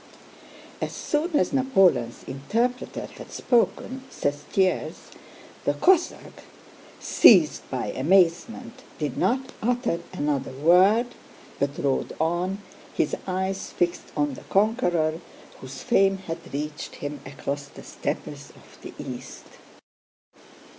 "As soon as Napoleon's interpreter had spoken," says Thiers, "the Cossack, seized by amazement, did not utter another word, but rode on, his eyes fixed on the conqueror whose fame had reached him across the steppes of the East.